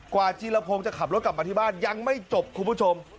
จีรพงศ์จะขับรถกลับมาที่บ้านยังไม่จบคุณผู้ชม